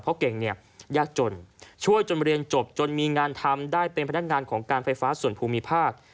เพราะเก่งเนี่ยยากจนช่วยจนเรียนจบจนมีงานทำได้เป็นพนักงานของการไฟฟ้าส่วนภูมิภาค